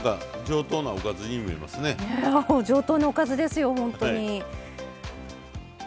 上等なおかずですよほんとに。